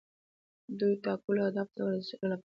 دوی ټاکلو اهدافو ته د رسیدو لپاره کار کوي.